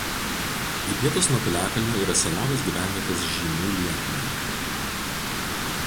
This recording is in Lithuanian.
Į pietus nuo piliakalnio yra senovės gyvenvietės žymių liekanų.